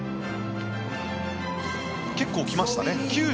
結構来ましたね